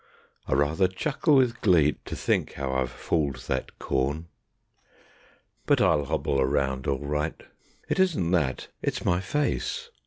(I rather chuckle with glee To think how I've fooled that corn.) But I'll hobble around all right. It isn't that, it's my face.